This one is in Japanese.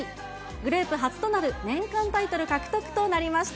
グループ初となる年間タイトル獲得となりました。